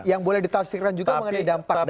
yang boleh ditafsirkan juga mengenai dampak dampak